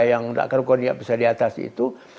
yang tidak kerugoknya bisa diatas itu